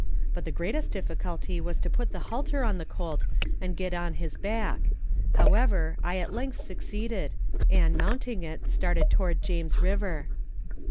But the greatest difficulty was to put the halter on the colt and get on his back; however, I at length succeed, and, mounting it, started toward James river.